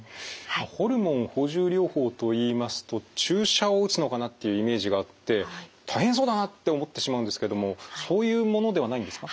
ホルモン補充療法といいますと注射を打つのかなっていうイメージがあって大変そうだなって思ってしまうんですけどもそういうものではないんですか？